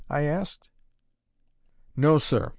I asked. "No, sir.